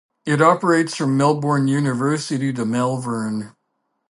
It operates from Melbourne University to Malvern.